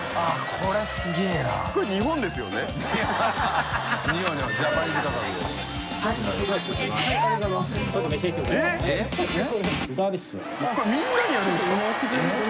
これみんなにやるんですか？